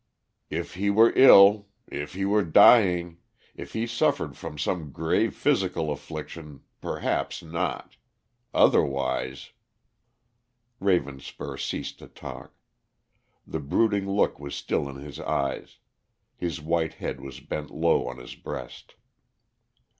"If he were ill, if he were dying, if he suffered from some grave physical affliction, perhaps not. Otherwise " Ravenspur ceased to talk. The brooding look was still in his eyes; his white head was bent low on his breast.